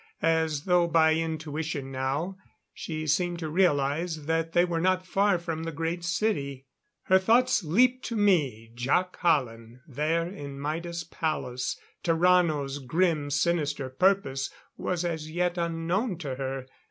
As though by intuition now, she seemed to realize that they were not far from the Great City. Her thoughts leaped to me Jac Hallen there in Maida's palace. Tarrano's grim, sinister purpose was as yet unknown to her.